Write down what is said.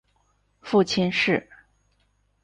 父亲是。